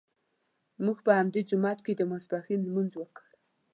موږ په همدې جومات کې د ماسپښین لمونځ وکړ.